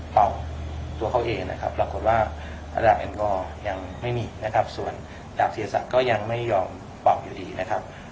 ปล่องตัวเขาเองนะครับปรากฏว่ายังไม่มีนะครับส่วนจากเศรษฐก็ยังไม่ยอมปล่องอยู่ดีนะครับ